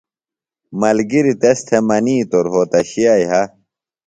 ملگِریۡ تس تھے منِیتوۡ روھوتشیہ یھہ۔